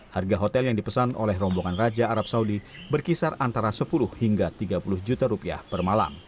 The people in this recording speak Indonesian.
harga hotel yang dipesan oleh rombongan raja arab saudi berkisar antara sepuluh hingga tiga puluh juta rupiah per malam